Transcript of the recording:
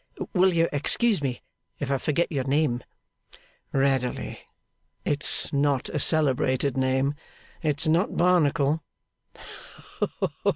Will you excuse me if I forget your name?' 'Readily. It's not a celebrated name. It's not Barnacle.